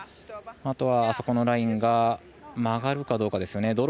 あとは、あそこのラインが曲がるかどうかですね。